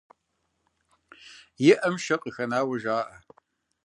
И Ӏэм шэр къыхэнауэ жаӀэ.